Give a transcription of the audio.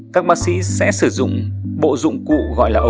các bác sĩ sẽ sử dụng bộ dụng cụ gọi là ống soi thanh quốc